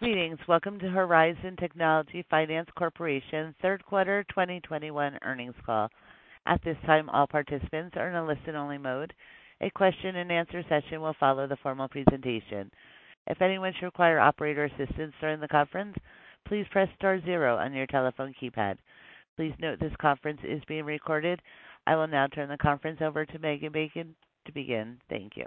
Greetings. Welcome to Horizon Technology Finance Corporation's Third Quarter 2021 Earnings Call. At this time, all participants are in a listen-only mode. A question-and-answer session will follow the formal presentation. If anyone should require operator assistance during the conference, please press star zero on your telephone keypad. Please note this conference is being recorded. I will now turn the conference over to Megan Bacon to begin. Thank you.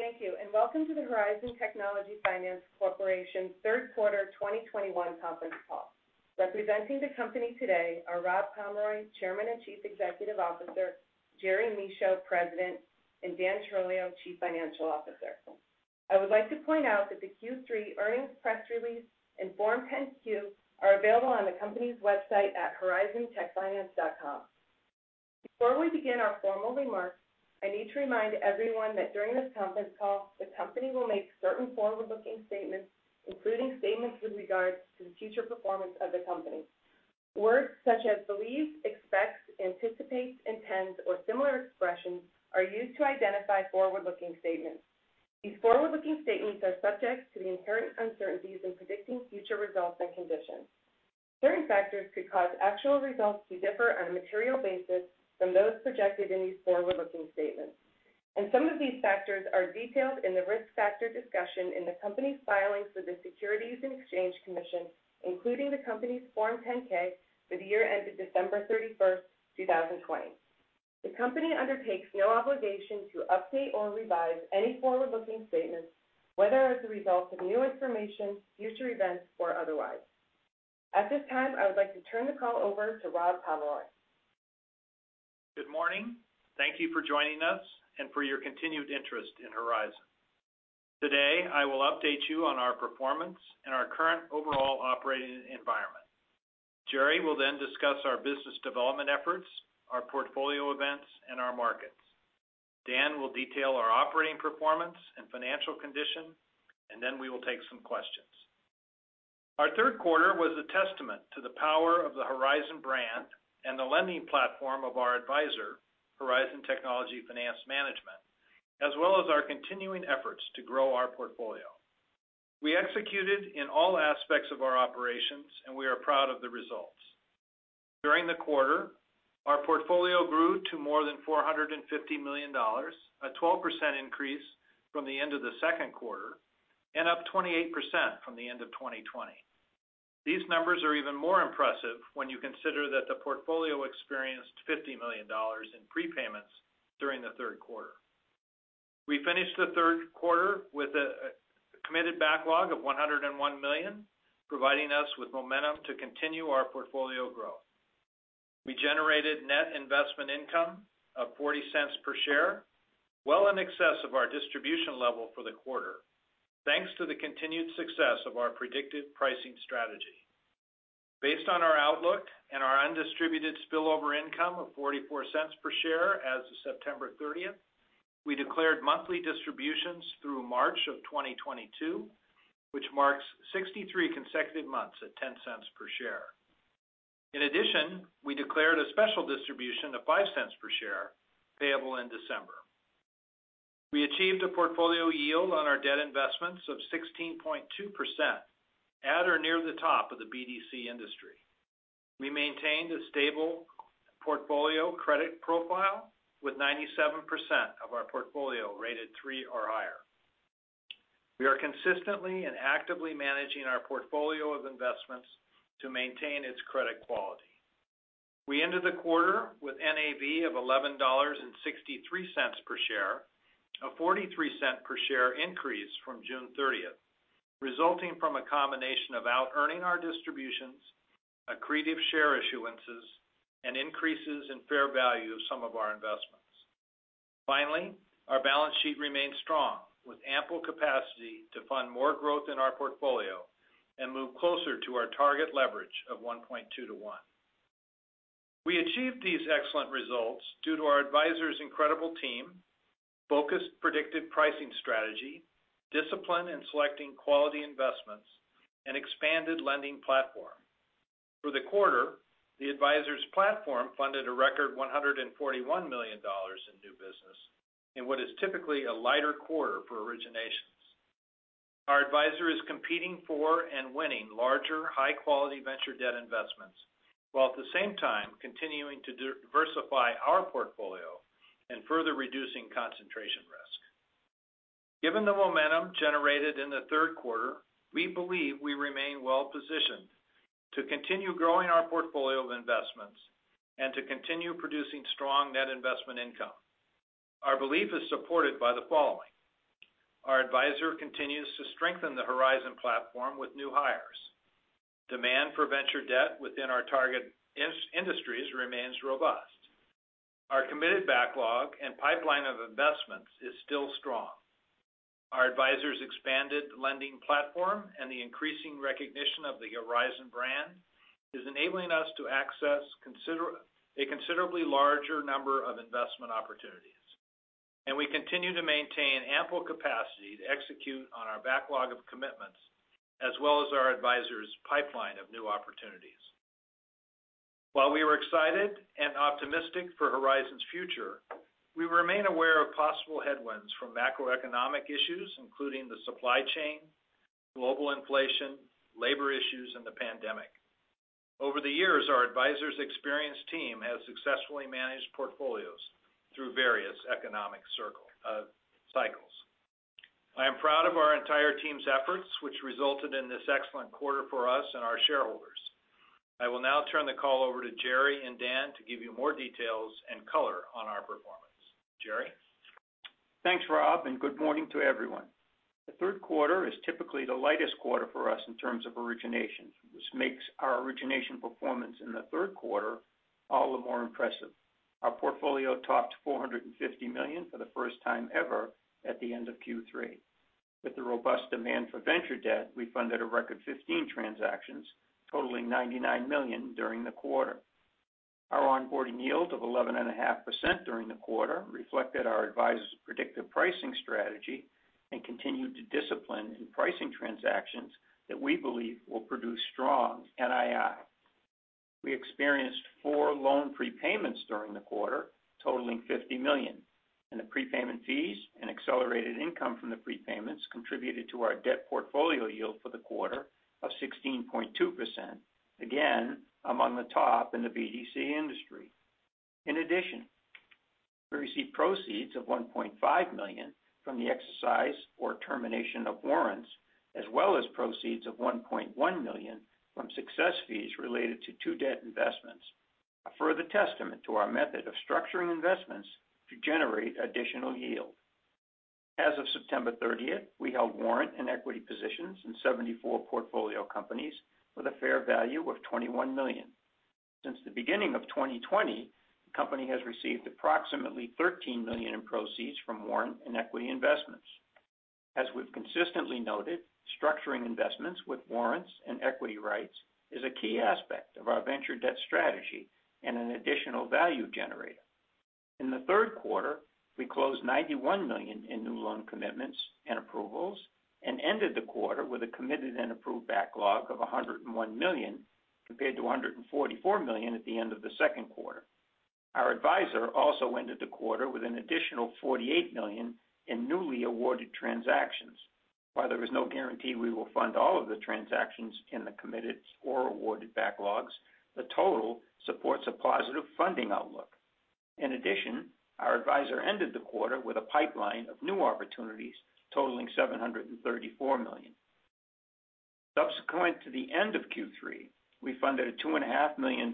Thank you, and welcome to the Horizon Technology Finance Corporation's third quarter 2021 conference call. Representing the company today are Rob Pomeroy, Chairman and Chief Executive Officer, Jerry Michaud, President, and Dan Trolio, Chief Financial Officer. I would like to point out that the Q3 earnings press release and Form 10-Q are available on the company's website at horizontechfinance.com. Before we begin our formal remarks, I need to remind everyone that during this conference call, the company will make certain forward-looking statements, including statements with regards to the future performance of the company. Words such as believe, expects, anticipates, intends, or similar expressions are used to identify forward-looking statements. These forward-looking statements are subject to the inherent uncertainties in predicting future results and conditions. Certain factors could cause actual results to differ on a material basis from those projected in these forward-looking statements, and some of these factors are detailed in the risk factor discussion in the company's filings with the Securities and Exchange Commission, including the company's Form 10-K for the year ended December 31, 2020. The company undertakes no obligation to update or revise any forward-looking statements, whether as a result of new information, future events, or otherwise. At this time, I would like to turn the call over to Rob Pomeroy. Good morning. Thank you for joining us and for your continued interest in Horizon. Today, I will update you on our performance and our current overall operating environment. Jerry will then discuss our business development efforts, our portfolio events, and our markets. Dan will detail our operating performance and financial condition, and then we will take some questions. Our third quarter was a testament to the power of the Horizon brand and the lending platform of our advisor, Horizon Technology Finance Management, as well as our continuing efforts to grow our portfolio. We executed in all aspects of our operations, and we are proud of the results. During the quarter, our portfolio grew to more than $450 million, a 12% increase from the end of the second quarter and up 28% from the end of 2020. These numbers are even more impressive when you consider that the portfolio experienced $50 million in prepayments during the third quarter. We finished the third quarter with a committed backlog of $101 million, providing us with momentum to continue our portfolio growth. We generated net investment income of $0.40 per share, well in excess of our distribution level for the quarter. Thanks to the continued success of our predictive pricing strategy. Based on our outlook and our undistributed spillover income of $0.44 per share as of September 30, we declared monthly distributions through March 2022, which marks 63 consecutive months at $0.10 per share. In addition, we declared a special distribution of $0.05 per share payable in December. We achieved a portfolio yield on our debt investments of 16.2% at or near the top of the BDC industry. We maintained a stable portfolio credit profile with 97% of our portfolio rated three or higher. We are consistently and actively managing our portfolio of investments to maintain its credit quality. We ended the quarter with NAV of $11.63 per share, a $0.43 per share increase from June 30, resulting from a combination of outearning our distributions, accretive share issuances, and increases in fair value of some of our investments. Finally, our balance sheet remains strong, with ample capacity to fund more growth in our portfolio and move closer to our target leverage of 1.2 to 1. We achieved these excellent results due to our advisor's incredible team, focused predictive pricing strategy, discipline in selecting quality investments, and expanded lending platform. For the quarter, the advisor's platform funded a record $141 million in new business in what is typically a lighter quarter for originations. Our advisor is competing for and winning larger, high-quality venture debt investments, while at the same time continuing to diversify our portfolio and further reducing concentration risk. Given the momentum generated in the third quarter, we believe we remain well positioned to continue growing our portfolio of investments and to continue producing strong net investment income. Our belief is supported by the following. Our advisor continues to strengthen the Horizon platform with new hires. Demand for venture debt within our target industries remains robust. Our committed backlog and pipeline of investments is still strong. Our advisor's expanded lending platform and the increasing recognition of the Horizon brand is enabling us to access a considerably larger number of investment opportunities. We continue to maintain ample capacity to execute on our backlog of commitments, as well as our advisor's pipeline of new opportunities. While we are excited and optimistic for Horizon's future, we remain aware of possible headwinds from macroeconomic issues, including the supply chain, global inflation, labor issues, and the pandemic. Over the years, our advisors' experienced team has successfully managed portfolios through various economic cycles. I am proud of our entire team's efforts, which resulted in this excellent quarter for us and our shareholders. I will now turn the call over to Jerry and Dan to give you more details and color on our performance. Jerry? Thanks, Rob, and good morning to everyone. The third quarter is typically the lightest quarter for us in terms of originations, which makes our origination performance in the third quarter all the more impressive. Our portfolio topped $450 million for the first time ever at the end of Q3. With the robust demand for venture debt, we funded a record 15 transactions totaling $99 million during the quarter. Our onboarding yield of 11.5% during the quarter reflected our advisor's predictive pricing strategy and continued discipline in pricing transactions that we believe will produce strong NII. We experienced four loan prepayments during the quarter, totaling $50 million, and the prepayment fees and accelerated income from the prepayments contributed to our debt portfolio yield for the quarter of 16.2%, again, among the top in the BDC industry. In addition, we received proceeds of $1.5 million from the exercise or termination of warrants, as well as proceeds of $1.1 million from success fees related to two debt investments, a further testament to our method of structuring investments to generate additional yield. As of September 30, we held warrant and equity positions in 74 portfolio companies with a fair value of $21 million. Since the beginning of 2020, the company has received approximately $13 million in proceeds from warrant and equity investments. As we've consistently noted, structuring investments with warrants and equity rights is a key aspect of our venture debt strategy and an additional value generator. In the third quarter, we closed $91 million in new loan commitments and approvals and ended the quarter with a committed and approved backlog of $101 million, compared to $144 million at the end of the second quarter. Our advisor also ended the quarter with an additional $48 million in newly awarded transactions. While there is no guarantee we will fund all of the transactions in the committed or awarded backlogs, the total supports a positive funding outlook. In addition, our advisor ended the quarter with a pipeline of new opportunities totaling $734 million. Subsequent to the end of Q3, we funded a $2.5 million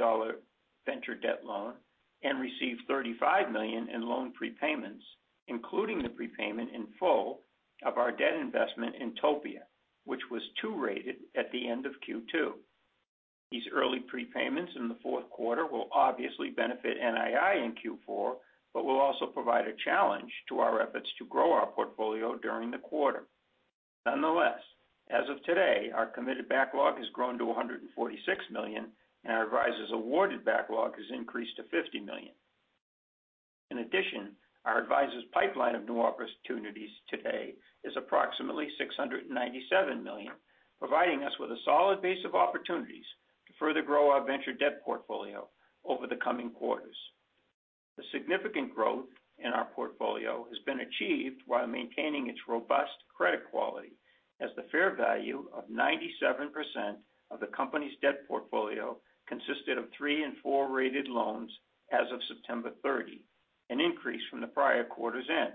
venture debt loan and received $35 million in loan prepayments, including the prepayment in full of our debt investment in Topia, which was two-rated at the end of Q2. These early prepayments in the fourth quarter will obviously benefit NII in Q4, but will also provide a challenge to our efforts to grow our portfolio during the quarter. Nonetheless, as of today, our committed backlog has grown to $146 million, and our adviser's awarded backlog has increased to $50 million. In addition, our adviser's pipeline of new opportunities today is approximately $697 million, providing us with a solid base of opportunities to further grow our venture debt portfolio over the coming quarters. The significant growth in our portfolio has been achieved while maintaining its robust credit quality as the fair value of 97% of the company's debt portfolio consisted of three and four rated loans as of September 30, an increase from the prior quarter's end.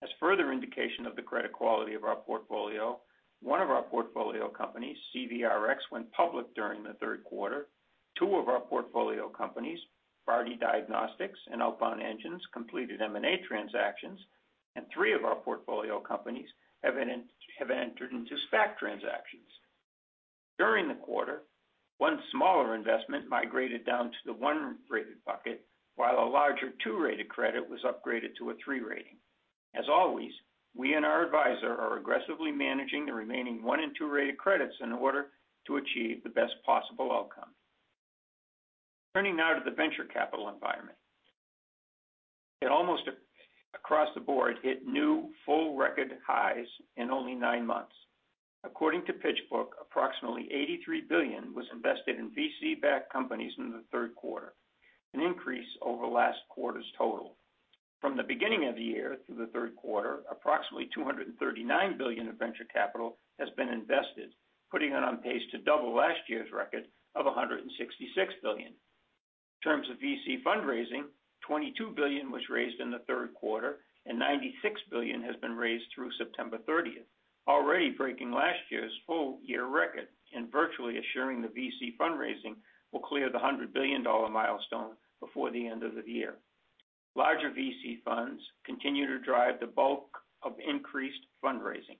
As further indication of the credit quality of our portfolio, one of our portfolio companies, CVRx, went public during the third quarter. Two of our portfolio companies, Bardy Diagnostics and OutboundEngine, completed M&A transactions, and three of our portfolio companies have entered into SPAC transactions. During the quarter, one smaller investment migrated down to the one-rated bucket, while a larger two-rated credit was upgraded to a three rating. As always, we and our advisor are aggressively managing the remaining one and two-rated credits in order to achieve the best possible outcome. Turning now to the venture capital environment. It almost across the board hit new full record highs in only nine months. According to PitchBook, approximately $83 billion was invested in VC-backed companies in the third quarter, an increase over last quarter's total. From the beginning of the year through the third quarter, approximately $239 billion of venture capital has been invested, putting it on pace to double last year's record of $166 billion. In terms of VC fundraising, $22 billion was raised in the third quarter, and $96 billion has been raised through September thirtieth, already breaking last year's full-year record and virtually assuring the VC fundraising will clear the $100 billion milestone before the end of the year. Larger VC funds continue to drive the bulk of increased fundraising.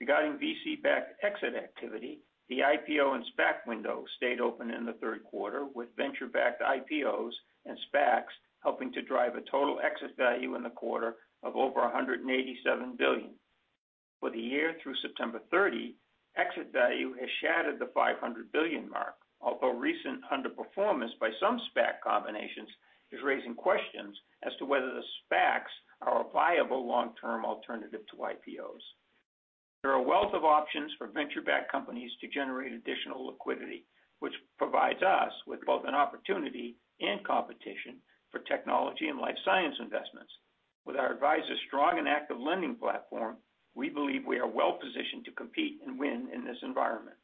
Regarding VC-backed exit activity, the IPO and SPAC window stayed open in the third quarter with venture-backed IPOs and SPACs helping to drive a total exit value in the quarter of over $187 billion. For the year through September 30, exit value has shattered the 500 billion mark, although recent underperformance by some SPAC combinations is raising questions as to whether the SPACs are a viable long-term alternative to IPOs. There are a wealth of options for venture-backed companies to generate additional liquidity, which provides us with both an opportunity and competition for technology and life science investments. With our adviser's strong and active lending platform, we believe we are well-positioned to compete and win in this environment.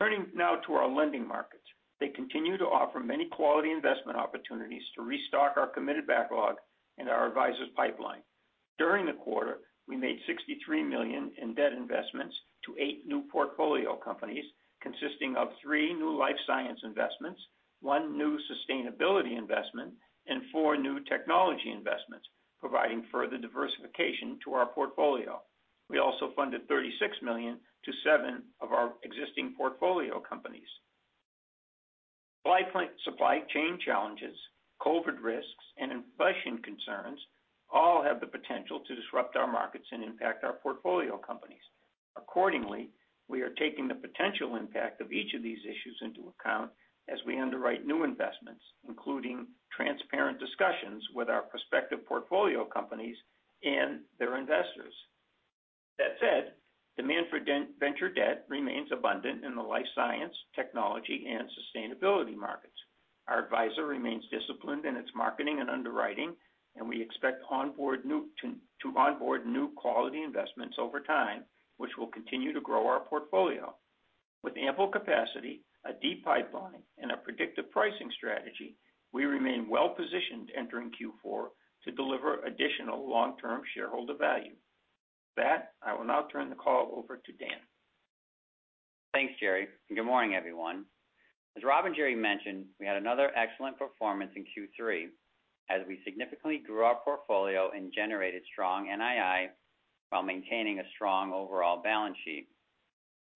Turning now to our lending markets. They continue to offer many quality investment opportunities to restock our committed backlog and our adviser's pipeline. During the quarter, we made $63 million in debt investments to eight new portfolio companies, consisting of three new life science investments, one new sustainability investment, and four new technology investments, providing further diversification to our portfolio. We also funded $36 million to seven of our existing portfolio companies. Supply chain challenges, COVID risks, and inflation concerns all have the potential to disrupt our markets and impact our portfolio companies. Accordingly, we are taking the potential impact of each of these issues into account as we underwrite new investments, including transparent discussions with our prospective portfolio companies and their investors. That said, demand for venture debt remains abundant in the life science, technology, and sustainability markets. Our adviser remains disciplined in its marketing and underwriting, and we expect to onboard new quality investments over time, which will continue to grow our portfolio. With ample capacity, a deep pipeline, and a predictive pricing strategy, we remain well-positioned entering Q4 to deliver additional long-term shareholder value. With that, I will now turn the call over to Dan. Thanks, Jerry, and good morning, everyone. As Rob and Jerry mentioned, we had another excellent performance in Q3 as we significantly grew our portfolio and generated strong NII while maintaining a strong overall balance sheet.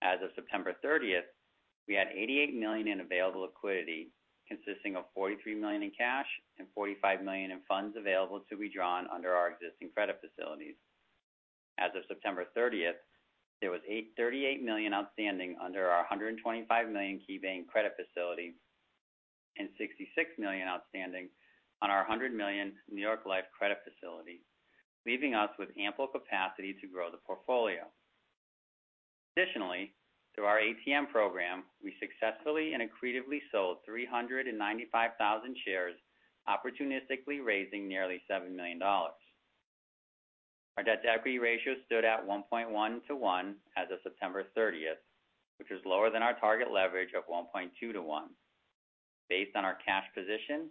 As of September 30, we had $88 million in available liquidity, consisting of $43 million in cash and $45 million in funds available to be drawn under our existing credit facilities. As of September 30, there was $38 million outstanding under our $125 million KeyBank credit facility and $66 million outstanding on our $100 million New York Life credit facility, leaving us with ample capacity to grow the portfolio. Additionally, through our at-the-market program, we successfully and accretively sold 395,000 shares, opportunistically raising nearly $7 million. Our debt-to-equity ratio stood at 1.1 to 1 as of September 30th, which is lower than our target leverage of 1.2 to 1. Based on our cash position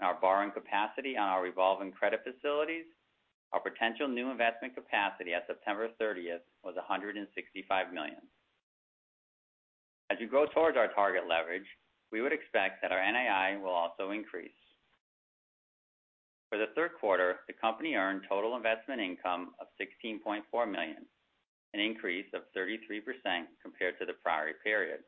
and our borrowing capacity on our revolving credit facilities, our potential new investment capacity at September 30th was $165 million. As you go towards our target leverage, we would expect that our NII will also increase. For the third quarter, the company earned total investment income of $16.4 million, an increase of 33% compared to the prior period.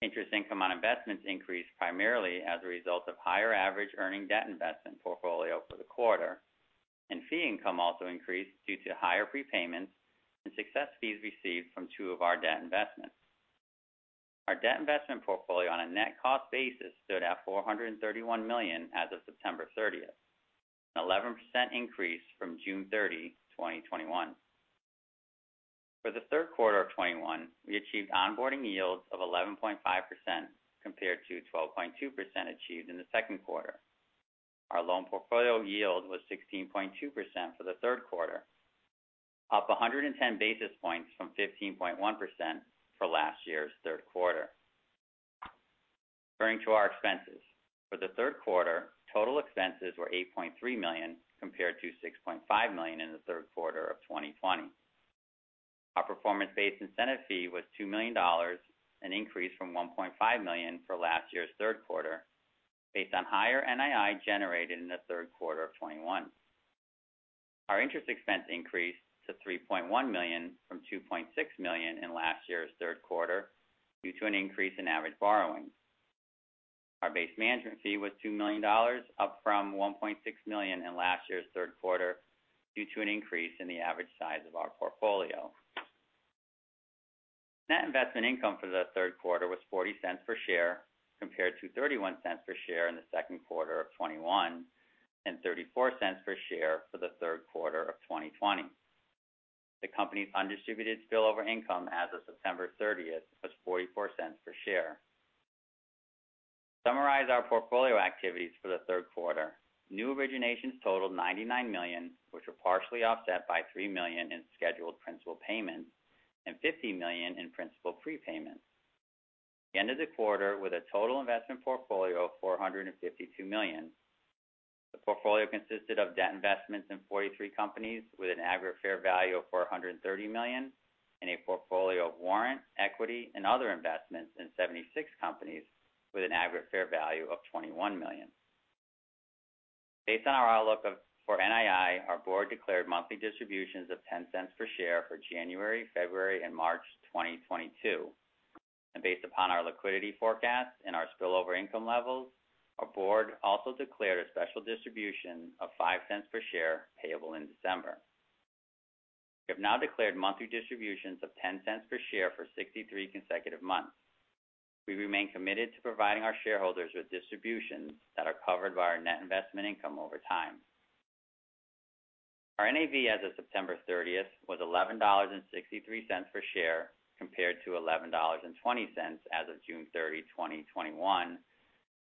Interest income on investments increased primarily as a result of higher average earning debt investment portfolio for the quarter, and fee income also increased due to higher prepayments and success fees received from two of our debt investments. Our debt investment portfolio on a net cost basis stood at $431 million as of September 30, an 11% increase from June 30, 2021. For the third quarter of 2021, we achieved onboarding yields of 11.5% compared to 12.2% achieved in the second quarter. Our loan portfolio yield was 16.2% for the third quarter, up 110 basis points from 15.1% for last year's third quarter. Turning to our expenses. For the third quarter, total expenses were $8.3 million compared to $6.5 million in the third quarter of 2020. Our performance-based incentive fee was $2 million, an increase from $1.5 million for last year's third quarter, based on higher NII generated in the third quarter of 2021. Our interest expense increased to $3.1 million from $2.6 million in last year's third quarter due to an increase in average borrowing. Our base management fee was $2 million, up from $1.6 million in last year's third quarter due to an increase in the average size of our portfolio. Net investment income for the third quarter was $0.40 per share compared to $0.31 per share in the second quarter of 2021, and $0.34 per share for the third quarter of 2020. The company's undistributed spillover income as of September 30 was $0.44 per share. To summarize our portfolio activities for the third quarter. New originations totaled $99 million, which were partially offset by $3 million in scheduled principal payments and $50 million in principal prepayments. At the end of the quarter with a total investment portfolio of $452 million. The portfolio consisted of debt investments in 43 companies with an aggregate fair value of $430 million, and a portfolio of warrant, equity, and other investments in 76 companies with an aggregate fair value of $21 million. Based on our outlook for NII, our board declared monthly distributions of $0.10 per share for January, February, and March 2022. Based upon our liquidity forecasts and our spillover income levels, our board also declared a special distribution of $0.05 per share payable in December. We have now declared monthly distributions of $0.10 per share for 63 consecutive months. We remain committed to providing our shareholders with distributions that are covered by our net investment income over time. Our NAV as of September 30 was $11.63 per share, compared to $11.20 as of June 30, 2021,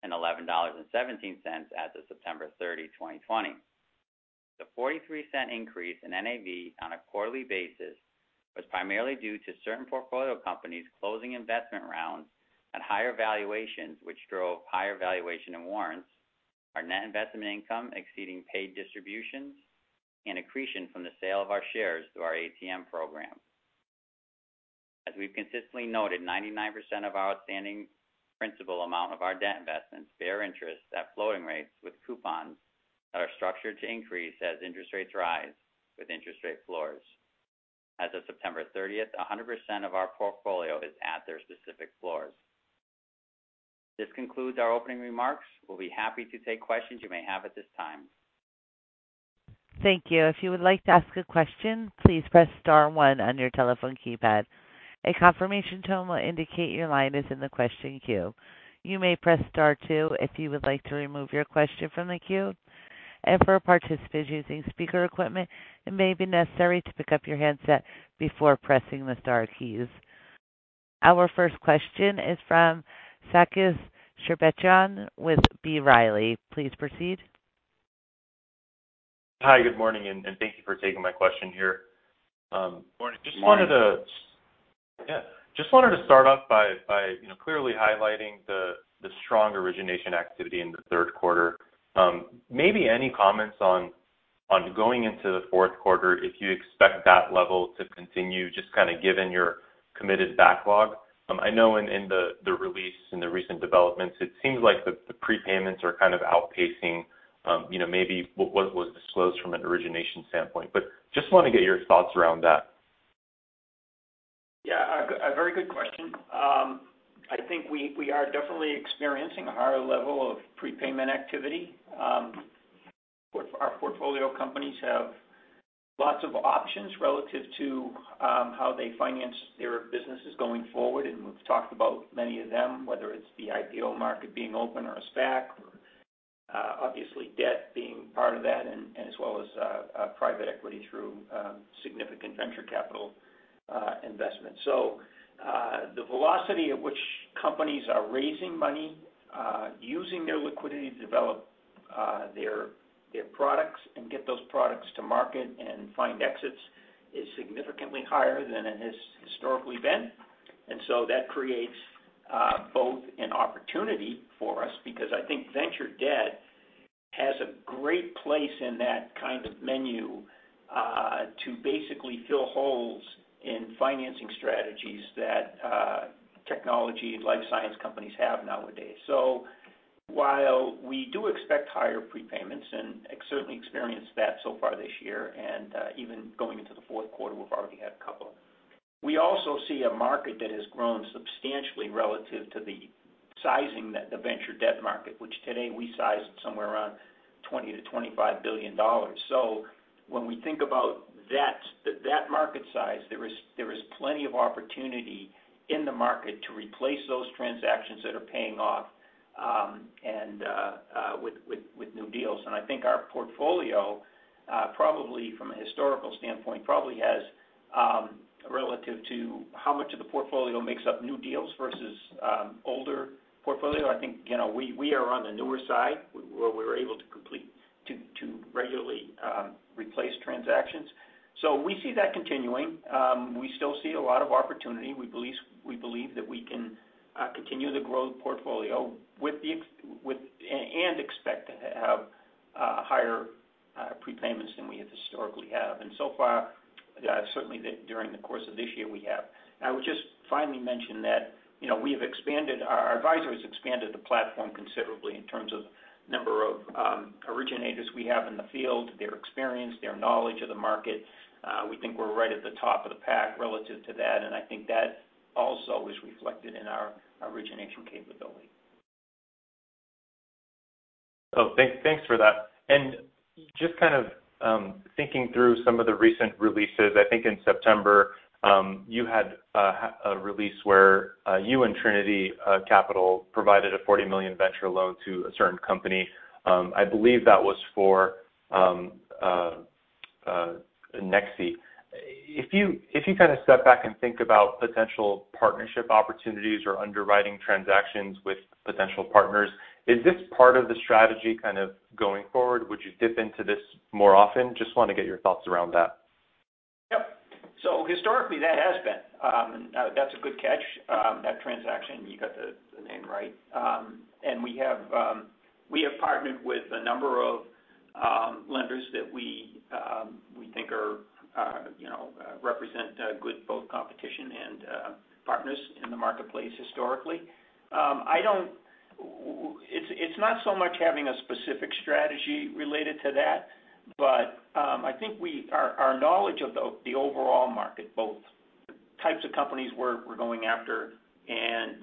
and $11.17 as of September 30, 2020. The $0.43 increase in NAV on a quarterly basis was primarily due to certain portfolio companies closing investment rounds at higher valuations, which drove higher valuation and warrants, our net investment income exceeding paid distributions and accretion from the sale of our shares through our at-the-market program. As we've consistently noted, 99% of our outstanding principal amount of our debt investments bear interest at floating rates with coupons that are structured to increase as interest rates rise with interest rate floors. As of September 30, 100% of our portfolio is at their specific floors. This concludes our opening remarks. We'll be happy to take questions you may have at this time. Thank you. If you would like to ask a question, please press star one on your telephone keypad. A confirmation tone will indicate your line is in the question queue. You may press star two if you would like to remove your question from the queue. For participants using speaker equipment, it may be necessary to pick up your handset before pressing the star keys. Our first question is from Sarkis Sherbetchyan with B. Riley. Please proceed. Hi, good morning, and thank you for taking my question here. Good morning. Just wanted to start off by you know clearly highlighting the strong origination activity in the third quarter. Maybe any comments on going into the fourth quarter if you expect that level to continue, just kinda given your committed backlog. I know in the release, in the recent developments, it seems like the prepayments are kind of outpacing you know maybe what was disclosed from an origination standpoint. Just wanna get your thoughts around that. Yeah. A very good question. I think we are definitely experiencing a higher level of prepayment activity. Our portfolio companies have lots of options relative to how they finance their businesses going forward, and we've talked about many of them, whether it's the IPO market being open or a SPAC, or obviously debt being part of that, and as well as private equity through significant venture capital investment. The velocity at which companies are raising money, using their liquidity to develop their products and get those products to market and find exits is significantly higher than it has historically been. That creates both an opportunity for us because I think venture debt has a great place in that kind of menu to basically fill holes in financing strategies that technology and life science companies have nowadays. While we do expect higher prepayments, and certainly experienced that so far this year, and even going into the fourth quarter, we've already had a couple. We also see a market that has grown substantially relative to the sizing that the venture debt market, which today we sized somewhere around $20 billion-$25 billion. When we think about that market size, there is plenty of opportunity in the market to replace those transactions that are paying off, with new deals. I think our portfolio probably from a historical standpoint probably has relative to how much of the portfolio makes up new deals versus older portfolio. I think you know we are on the newer side where we're able to regularly replace transactions. We see that continuing. We still see a lot of opportunity. We believe that we can continue to grow the portfolio and expect to have higher prepayments than we historically have. So far certainly during the course of this year, we have. I would just finally mention that you know we have expanded. Our advisors expanded the platform considerably in terms of number of originators we have in the field, their experience, their knowledge of the market. We think we're right at the top of the pack relative to that, and I think that also is reflected in our origination capability. Thanks for that. Just kind of thinking through some of the recent releases. I think in September you had a release where you and Trinity Capital provided a $40 million venture loan to a certain company. I believe that was for Nexii. If you kinda step back and think about potential partnership opportunities or underwriting transactions with potential partners, is this part of the strategy kind of going forward? Would you dip into this more often? Just wanna get your thoughts around that. Yep. Historically, that has been, that's a good catch. That transaction, you got the name right. And we have partnered with a number of lenders that we think are, you know, represent a good both competition and partners in the marketplace historically. It's not so much having a specific strategy related to that, but I think our knowledge of the overall market, both the types of companies we're going after and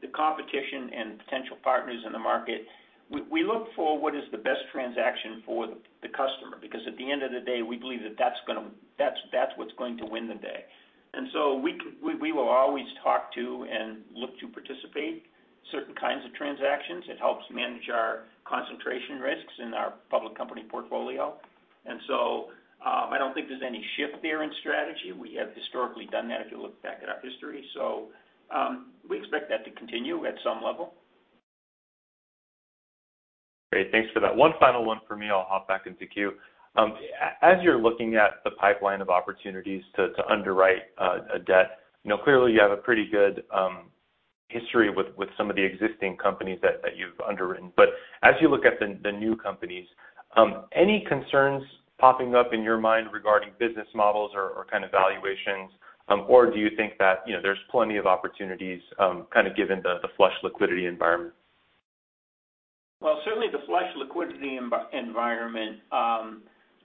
the competition and potential partners in the market. We look for what is the best transaction for the customer, because at the end of the day, we believe that that's what's going to win the day. We will always talk to and look to participate certain kinds of transactions. It helps manage our concentration risks in our public company portfolio. I don't think there's any shift there in strategy. We have historically done that, if you look back at our history. We expect that to continue at some level. Great. Thanks for that. One final one for me, I'll hop back into queue. As you're looking at the pipeline of opportunities to underwrite a debt, you know, clearly, you have a pretty good history with some of the existing companies that you've underwritten. As you look at the new companies, any concerns popping up in your mind regarding business models or kind of valuations? Or do you think that, you know, there's plenty of opportunities, kind of given the flush liquidity environment? Well, certainly the flush liquidity environment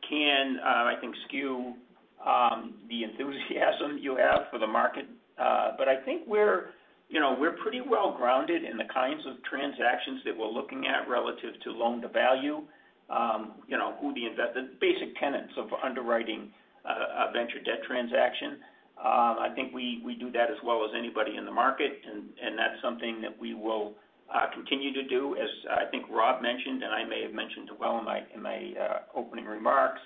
can, I think skew the enthusiasm you have for the market. I think we're, you know, pretty well grounded in the kinds of transactions that we're looking at relative to loan-to-value. You know, the basic tenets of underwriting a venture debt transaction. I think we do that as well as anybody in the market, and that's something that we will continue to do. As I think Rob mentioned, and I may have mentioned it myself in my opening remarks,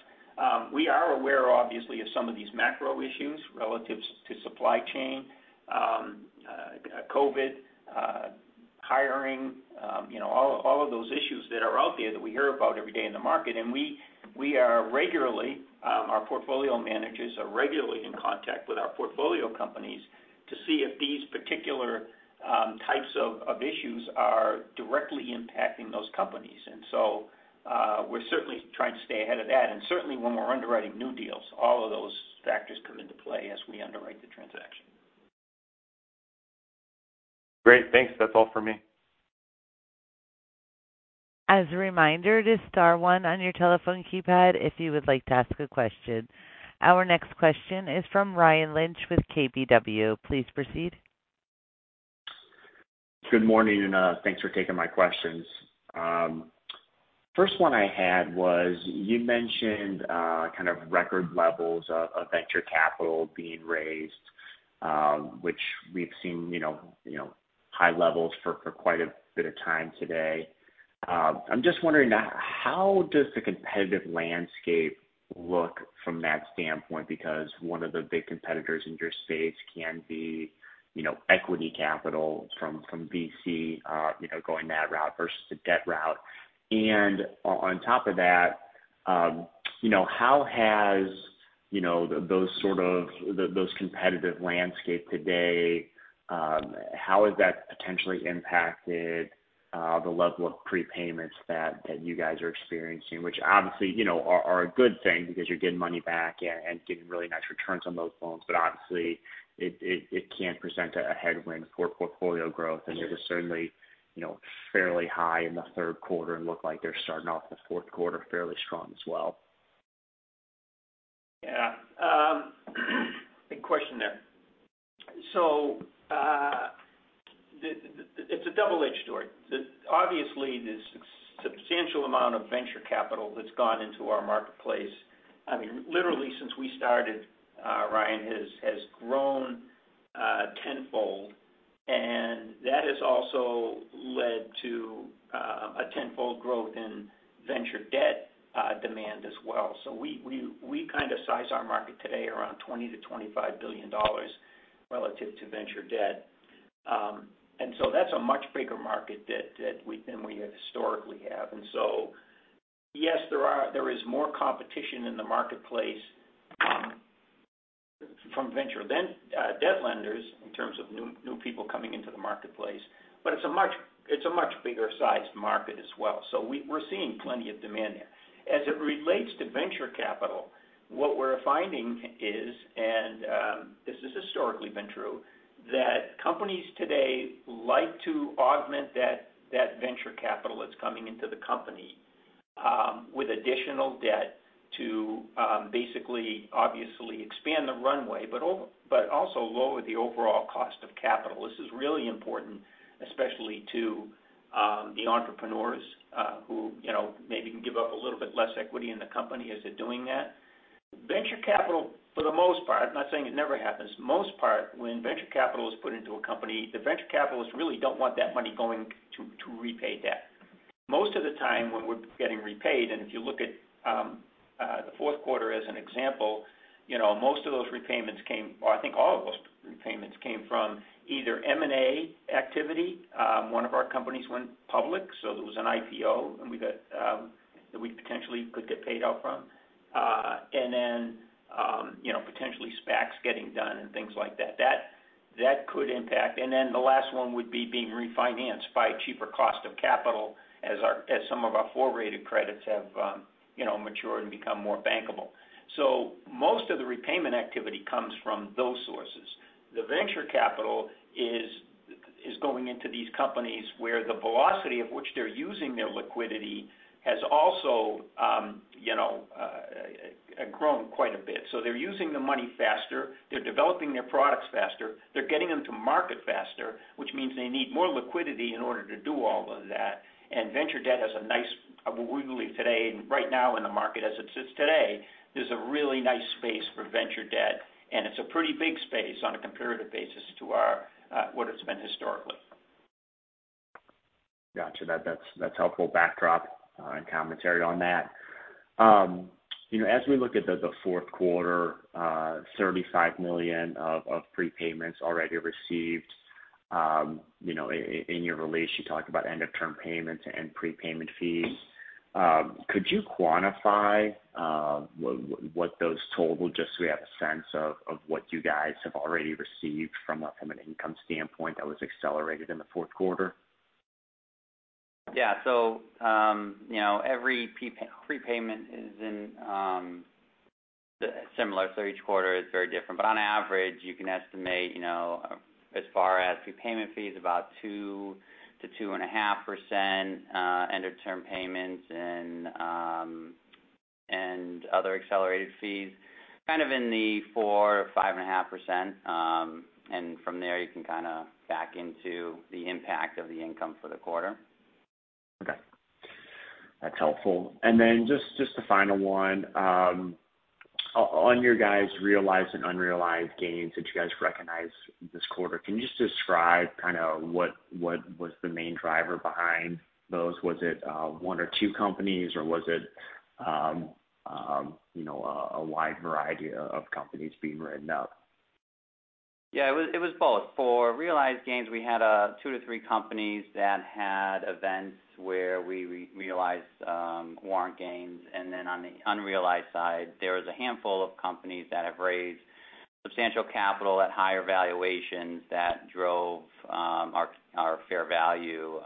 we are aware obviously of some of these macro issues relative to supply chain, COVID, hiring, you know, all of those issues that are out there that we hear about every day in the market. Our portfolio managers are regularly in contact with our portfolio companies to see if these particular types of issues are directly impacting those companies. We're certainly trying to stay ahead of that. Certainly when we're underwriting new deals, all of those factors come into play as we underwrite the transaction. Great. Thanks. That's all for me. As a reminder, it is star one on your telephone keypad if you would like to ask a question. Our next question is from Ryan Lynch with KBW. Please proceed. Good morning, and thanks for taking my questions. First one I had was, you mentioned kind of record levels of venture capital being raised, which we've seen, you know, high levels for quite a bit of time today. I'm just wondering, how does the competitive landscape look from that standpoint? Because one of the big competitors in your space can be, you know, equity capital from VC, you know, going that route versus the debt route. On top of that, you know, how has those sort of competitive landscape today, how has that potentially impacted the level of prepayments that you guys are experiencing? Which obviously, you know, are a good thing because you're getting money back and getting really nice returns on those loans. Obviously, it can present a headwind for portfolio growth. They're just certainly, you know, fairly high in the third quarter and look like they're starting off the fourth quarter fairly strong as well. Yeah. Big question there. It's a double-edged sword. Obviously, this substantial amount of venture capital that's gone into our marketplace, I mean, literally since we started, Ryan, has grown tenfold. And that has also led to a tenfold growth in venture debt demand as well. We kind of size our market today around $20 billion-$25 billion relative to venture debt. That's a much bigger market than we historically have. Yes, there is more competition in the marketplace from venture debt lenders in terms of new people coming into the marketplace. But it's a much bigger sized market as well. We're seeing plenty of demand there. As it relates to venture capital, what we're finding is, and this has historically been true, that companies today like to augment that venture capital that's coming into the company with additional debt to basically obviously expand the runway, but also lower the overall cost of capital. This is really important, especially to the entrepreneurs who, you know, maybe can give up a little bit less equity in the company as they're doing that. Venture capital, for the most part, I'm not saying it never happens, when venture capital is put into a company, the venture capitalists really don't want that money going to repay debt. Most of the time when we're getting repaid, and if you look at the fourth quarter as an example, you know, most of those repayments came. I think all of those repayments came from either M&A activity, one of our companies went public, so there was an IPO, and we got that we potentially could get paid out from. You know, potentially SPACs getting done and things like that. That could impact. The last one would be being refinanced by cheaper cost of capital as some of our lower-rated credits have, you know, matured and become more bankable. Most of the repayment activity comes from those sources. The venture capital is going into these companies where the velocity of which they're using their liquidity has also, you know, grown quite a bit. They're using the money faster. They're developing their products faster. They're getting them to market faster, which means they need more liquidity in order to do all of that. Venture debt has a niche, we believe today, right now in the market, as it sits today. There's a really nice space for venture debt, and it's a pretty big space on a comparative basis to our what it's been historically. Gotcha. That's helpful backdrop and commentary on that. You know, as we look at the fourth quarter, $35 million of prepayments already received, you know, in your release, you talked about end of term payments and prepayment fees. Could you quantify what those total, just so we have a sense of what you guys have already received from an income standpoint that was accelerated in the fourth quarter? Yeah, every prepayment is dissimilar. Each quarter is very different. On average, you can estimate, you know, as far as prepayment fees, about 2%-2.5%, end of term payments and other accelerated fees, kind of in the 4%-5.5%. From there, you can kinda back into the impact of the income for the quarter. Okay. That's helpful. Then just the final one. On your guys realized and unrealized gains that you guys recognized this quarter, can you just describe kinda what was the main driver behind those? Was it one or two companies, or was it you know a wide variety of companies being written up? Yeah, it was both. For realized gains, we had two to three companies that had events where we realized warrant gains. Then on the unrealized side, there was a handful of companies that have raised substantial capital at higher valuations that drove our fair value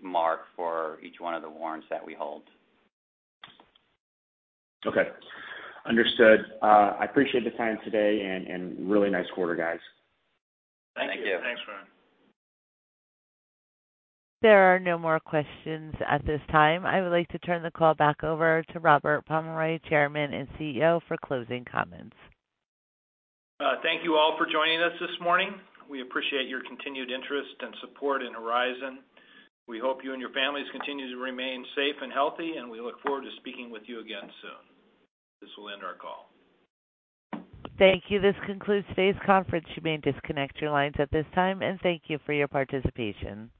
mark for each one of the warrants that we hold. Okay. Understood. I appreciate the time today, and really nice quarter, guys. Thank you. Thanks, Ryan. There are no more questions at this time. I would like to turn the call back over to Robert Pomeroy, Chairman and CEO, for closing comments. Thank you all for joining us this morning. We appreciate your continued interest and support in Horizon. We hope you and your families continue to remain safe and healthy, and we look forward to speaking with you again soon. This will end our call. Thank you. This concludes today's conference. You may disconnect your lines at this time, and thank you for your participation.